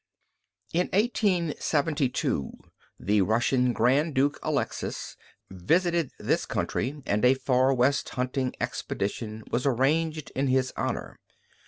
In 1872 the Russian Grand Duke Alexis visited this country, and a Far West hunting expedition was arranged in his honor.